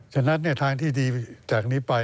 ฉะนั้นในทางที่ดีจากนี้ไป